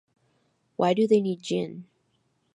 Why do they need gin?